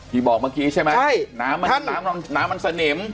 พี่บอกเมื่อกี้ใช่ไหมน้ำมันสะเหน็ม